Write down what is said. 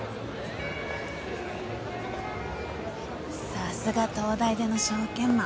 さすが東大出の証券マン。